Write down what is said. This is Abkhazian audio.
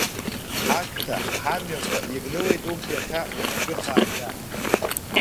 Ҳашҭа, ҳамҩақәа ирнылеит урҭ иахьа рыфҩы хааӡа!